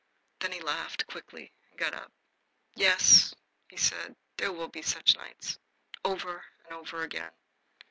Then he laughed quickly and got up. "Yes," he said, "there will be such nights over and over again.